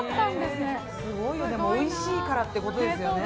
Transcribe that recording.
すごいよでもおいしいからってことですよね